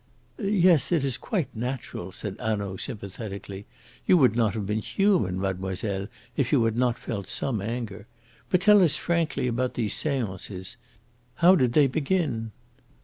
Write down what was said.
"Yes, it is quite natural," said Hanaud sympathetically. "You would not have been human, mademoiselle, if you had not felt some anger. But tell us frankly about these seances. How did they begin?"